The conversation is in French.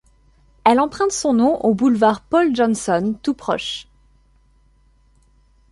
Elle emprunte son nom au boulevard Paul Janson tout proche.